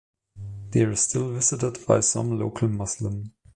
They are still visited by some local Muslim.